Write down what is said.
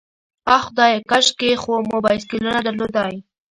آه خدایه، کاشکې خو مو بایسکلونه درلودای.